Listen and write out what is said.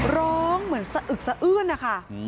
ร้องเหมือนสะอึกสะอื้นนะคะ